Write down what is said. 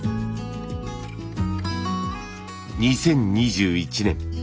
２０２１年。